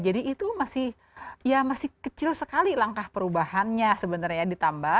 jadi itu masih kecil sekali langkah perubahannya sebenarnya ya ditambah